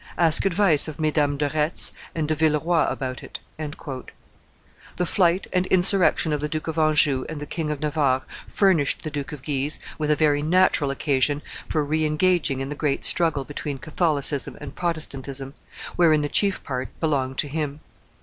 Ask advice of Mesdames de Retz and de Villeroy about it." The flight and insurrection of the Duke of Anjou and the King of Navarre furnished the Duke of Guise with a very natural occasion for re engaging in the great struggle between Catholicism and Protestantism, wherein the chief part belonged to him.